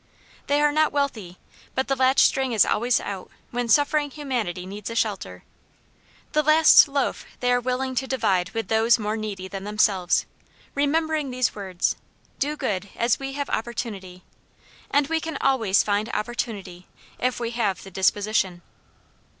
They are not wealthy, but the latch string is always out when suffering humanity needs a shelter; the last loaf they are willing to divide with those more needy than themselves, remembering these words, Do good as we have opportunity; and we can always find opportunity, if we have the disposition.